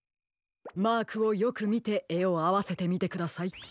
マークをよくみてえをあわせてみてください。